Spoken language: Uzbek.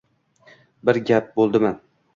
Biror gap bo`ldimi